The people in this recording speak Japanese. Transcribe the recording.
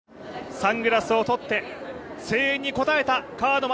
サングラスを取って声援に応えた川野将